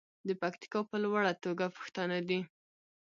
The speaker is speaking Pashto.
د پکتیکا په لوړه توګه پښتانه دي.